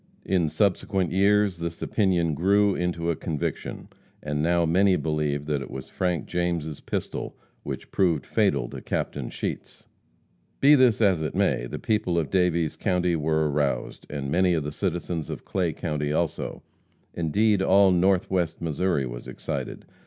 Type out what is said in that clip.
In subsequent years this opinion grew into a conviction, and now many believe that it was Frank James' pistol which proved fatal to Captain Sheets. Be this as it may, the people of Daviess county were aroused, and many of the citizens of Clay county also, indeed all Northwest Missouri was excited.